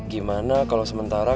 gimana kalo sementara